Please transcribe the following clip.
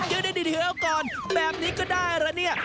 เฮ่ยเดี๋ยวเอาก่อนแบบนี้ก็ได้แล้วนี่